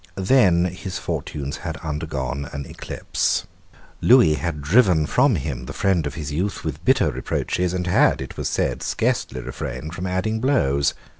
Then his fortunes had undergone an eclipse. Lewis had driven from him the friend of his youth with bitter reproaches, and had, it was said, scarcely refrained from adding blows.